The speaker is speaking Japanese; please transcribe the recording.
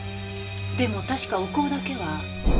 でも確かお香だけは。